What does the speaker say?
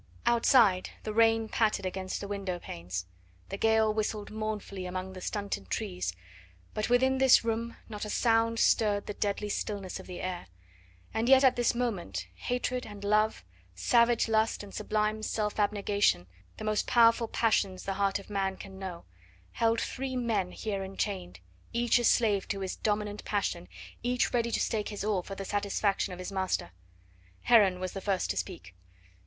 Outside the rain pattered against the window panes, the gale whistled mournfully among the stunted trees, but within this room not a sound stirred the deadly stillness of the air, and yet at this moment hatred and love, savage lust and sublime self abnegation the most power full passions the heart of man can know held three men here enchained; each a slave to his dominant passion, each ready to stake his all for the satisfaction of his master. Heron was the first to speak.